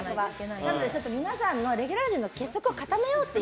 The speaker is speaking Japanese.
皆さんレギュラー陣の結束を固めようと。